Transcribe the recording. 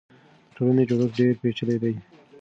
د ټولنې جوړښت ډېر پېچلی دی.